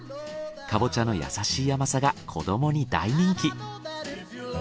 かぼちゃの優しい甘さが子どもに大人気。